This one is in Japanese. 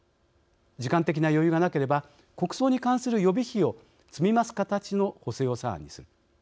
時間的な余裕がなければ国葬に関する予備費を積み増す形の補正予算案にする。